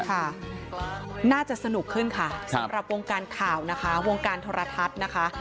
น่าจะสนุกขึ้นค่ะสำหรับวงการข่าวนะคะวงการโทรทัศน์นะคะ